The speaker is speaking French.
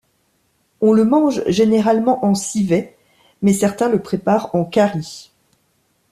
On le mange généralement en civet, mais certains le préparent en carry.